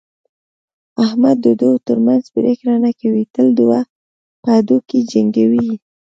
احمد د دوو ترمنځ پرېکړه نه کوي، تل دوه په هډوکي جنګوي.